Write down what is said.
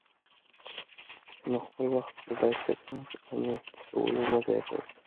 نو خپل وخت د داسي كسانو په قانع كولو مه ضايع كوه